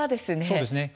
そうですね。